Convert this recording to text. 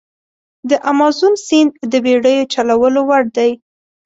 د امازون سیند د بېړیو چلولو وړ دی.